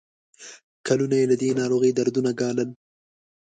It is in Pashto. کلونه یې له دې ناروغۍ دردونه ګالل.